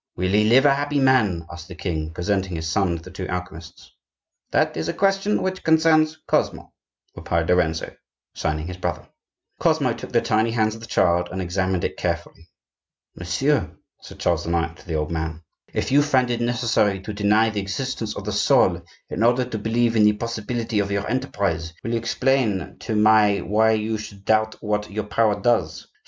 "Will he live a happy man?" asked the king, presenting his son to the two alchemists. "That is a question which concerns Cosmo," replied Lorenzo, signing his brother. Cosmo took the tiny hand of the child, and examined it carefully. "Monsieur," said Charles IX. to the old man, "if you find it necessary to deny the existence of the soul in order to believe in the possibility of your enterprise, will you explain to my why you should doubt what your power does?